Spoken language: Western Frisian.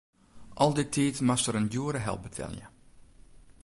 Al dy tiid moast er in djoere help betelje.